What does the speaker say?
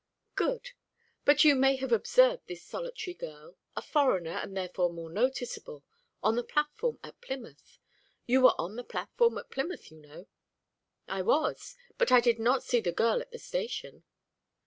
"Good. But you may have observed this solitary girl a foreigner, and therefore more noticeable on the platform at Plymouth. You were on the platform at Plymouth, you know." "I was. But I did not see the girl at the station."